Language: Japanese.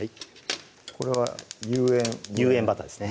これは有塩有塩バターですね